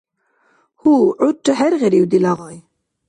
Гьу, гӀурра хӀергъирив дила гъай?